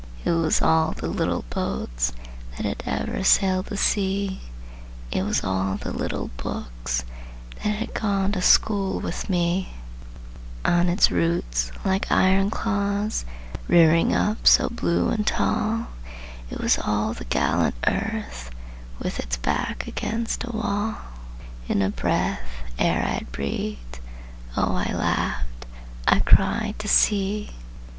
It was all the little boats That had ever sailed the sea, It was all the little books That had gone to school with me; On its roots like iron claws Rearing up so blue and tall, It was all the gallant Earth With its back against a wall! In a breath, ere I had breathed, Oh, I laughed, I cried, to see!